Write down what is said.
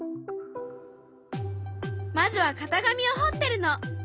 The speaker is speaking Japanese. まずは型紙をほってるの。